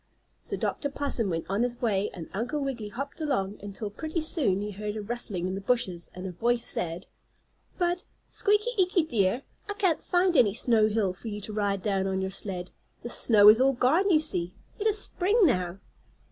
So Dr. Possum went on his way and Uncle Wiggily hopped along until, pretty soon, he heard a rustling in the bushes, and a voice said: "But, Squeaky Eeky dear, I can't find any snow hill for you to ride down on your sled. The snow is all gone, you see. It is Spring now."